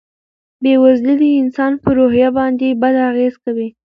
بېوزلي د انسان په روحیه باندې بد اغېز کوي.